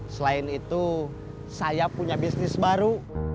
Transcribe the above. selain itu saya punya bisnis baru